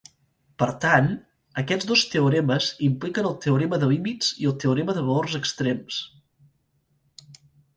Per tant, aquests dos teoremes impliquen el teorema de límits i el teorema de valors extrems.